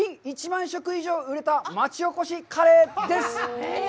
１万食以上売れた町おこしカレーです！